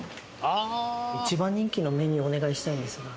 一番人気のメニューお願いしたいんですが。